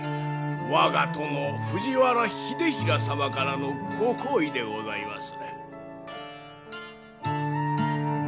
我が殿藤原秀衡様からのご好意でございます。